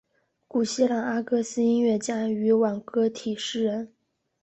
古希腊阿哥斯音乐家与挽歌体诗人。